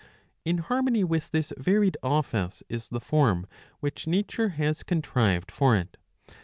^^ In harmony with this varied office is the form which nature has contrived for it.